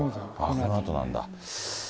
このあとなんだ。